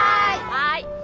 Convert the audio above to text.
はい。